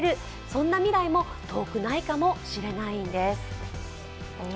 そんな未来も遠くないかもしれないんです。